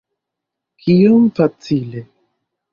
Kiom facile!